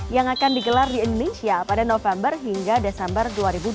yang akan digelar di indonesia pada november hingga desember dua ribu dua puluh